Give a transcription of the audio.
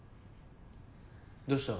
どうした？